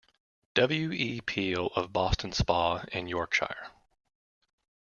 W. E. Peel of Boston Spa in Yorkshire.